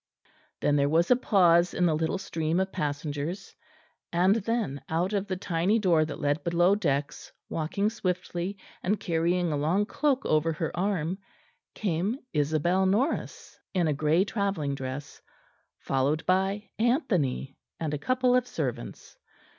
Then there was a pause in the little stream of passengers; and then, out of the tiny door that led below decks, walking swiftly, and carrying a long cloak over her arm, came Isabel Norris, in a grey travelling dress, followed by Anthony and a couple of servants.